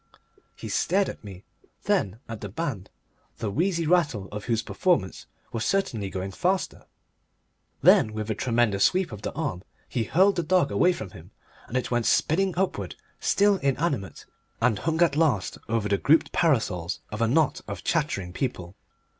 He stared at me. Then at the band, the wheezy rattle of whose performance was certainly going faster. Then with a tremendous sweep of the arm he hurled the dog away from him and it went spinning upward, still inanimate, and hung at last over the grouped parasols of a knot of chattering people.